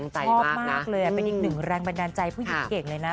ชอบมากเลยเป็นอีกหนึ่งแรงบันดาลใจผู้หญิงเก่งเลยนะ